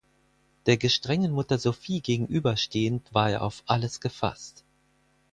Der gestrengen Mutter Sophie gegenüberstehend war er auf alles gefasst.